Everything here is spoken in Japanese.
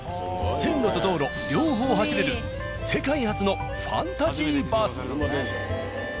線路と道路両方走れる世界初のファンタジーバス。